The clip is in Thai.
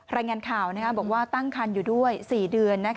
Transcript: รายงานข่าวบอกว่าตั้งคันอยู่ด้วย๔เดือน